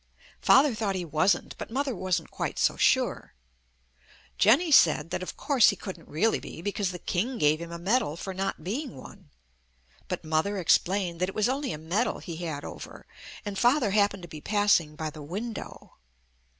Father thought he wasn't, but Mother wasn't quite so sure. Jenny said that of course he couldn't really be, because the King gave him a medal for not being one, but Mother explained that it was only a medal he had over, and Father happened to be passing by the window.